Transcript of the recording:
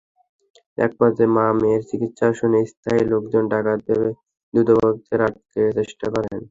একপর্যায়ে মা-মেয়ের চিৎকার শুনে স্থানীয় লোকজন ডাকাত ভেবে দুর্বৃত্তদের আটকের চেষ্টা করেন।